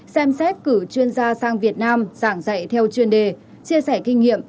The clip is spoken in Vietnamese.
xem xét cử chuyên gia sang việt nam giảng dạy theo chuyên đề chia sẻ kinh nghiệm